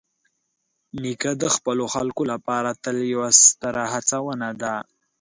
نیکه د خپلو خلکو لپاره تل یوه ستره هڅونه ده.